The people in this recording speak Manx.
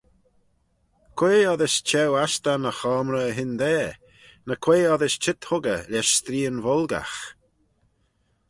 Quoi oddys cheu-astan e choamrey y hyndaa? ny quoi oddys cheet huggey lesh streean-volgagh?